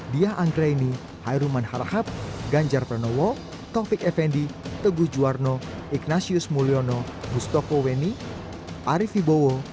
diah anggreni hairuman halahab ganjar pranowo taufik effendi teguh juwarno ignasius mulyono bustoko weni arief ibowo